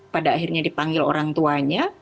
pada akhirnya dipanggil orang tuanya